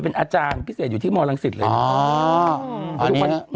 เป็นอาจารย์พิเศษอยู่ที่มรังสิตเลย